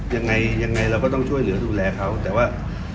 ยังไงยังไงเราก็ต้องช่วยเหลือดูแลเขาแต่ว่า